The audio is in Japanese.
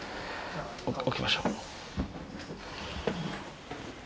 置きましょう。